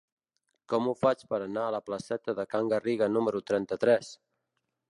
Com ho faig per anar a la placeta de Can Garriga número trenta-tres?